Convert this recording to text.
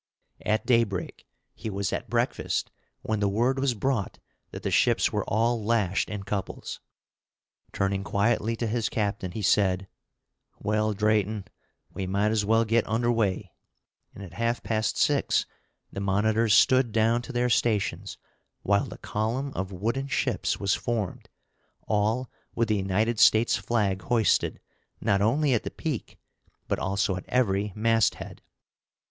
At daybreak he was at breakfast when the word was brought that the ships were all lashed in couples. Turning quietly to his captain, he said, "Well, Drayton, we might as well get under way;" and at half past six the monitors stood down to their stations, while the column of wooden ships was formed, all with the United States flag hoisted, not only at the peak, but also at every masthead.